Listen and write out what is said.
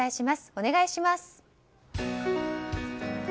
お願いします。